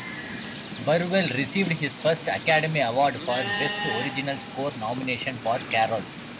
Burwell received his first Academy Award for Best Original Score nomination for "Carol".